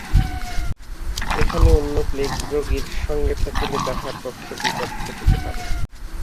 এখানে অন্য প্লেগরোগীর সঙ্গে থাকিলে তাহার পক্ষে বিপদ ঘটিতে পারে।